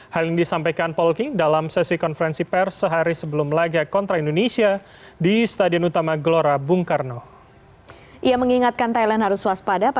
hal yang disampaikan polking dalam sesi konferensi pers sehari sebelum laga kontra indonesia